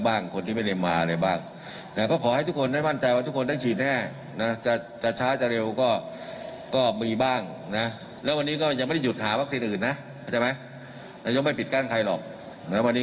ยังไม่ปิดกั้นใครหรอกและวันนี้ก็ไปพูดกันเสียให้หายบางที